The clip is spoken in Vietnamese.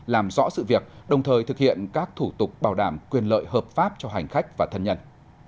làm rõ sự việc đồng thời thực hiện các thủ tục bảo đảm quyền lợi hợp pháp cho hành khách và thân nhân